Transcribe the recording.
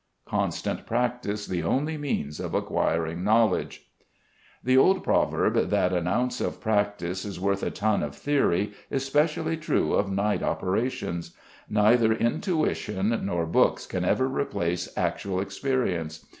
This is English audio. Constant Practice the only Means of Acquiring Knowledge. The old proverb, that an ounce of practice is worth a ton of theory, is specially true of night operations; neither intuition nor books can ever replace actual experience.